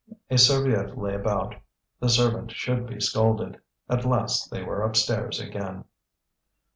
A serviette lay about, the servant should be scolded. At last they were upstairs again.